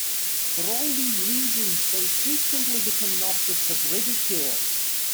For all these reasons they frequently became objects of ridicule.